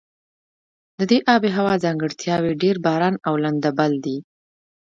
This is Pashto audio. د دې آب هوا ځانګړتیاوې ډېر باران او لنده بل دي.